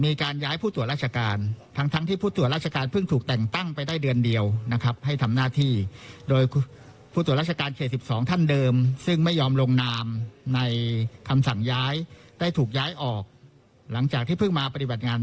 มีการย้ายผู้ตัวราชการทั้งทั้งที่ผู้ตัวราชการเพิ่งถูกแต่งตั้งไปได้เดือนเดียวนะครับ